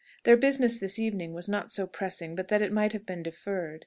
Their business this evening was not so pressing but that it might have been deferred.